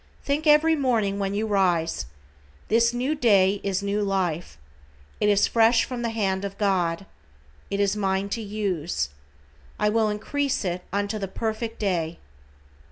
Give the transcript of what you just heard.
Think every morning when you rise "This new day is new life. It is fresh from the hand of God. It is mine to use. I will increase it unto the Perfect Day."